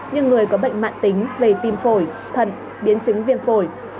như người có bệnh mạng tính về tim phổi thận biến chứng viêm phổi